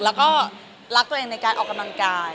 แล้วก็รักตัวเองในการออกกำลังกาย